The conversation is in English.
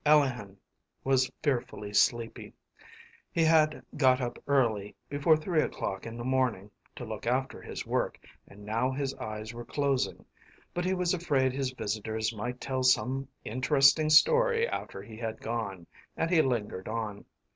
Alehin was fearfully sleepy; he had got up early, before three o’clock in the morning, to look after his work, and now his eyes were closing; but he was afraid his visitors might tell some interesting story after he had gone, and he lingered on.